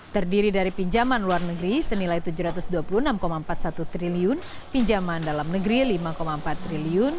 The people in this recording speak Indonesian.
terdiri dari pinjaman luar negeri senilai rp tujuh ratus dua puluh enam empat puluh satu triliun pinjaman dalam negeri rp lima empat triliun